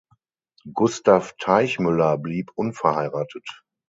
Gustav Teichmüller blieb unverheiratet.